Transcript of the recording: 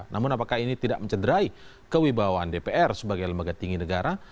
namun apakah ini tidak mencederai kewibawaan dpr sebagai lembaga tinggi negara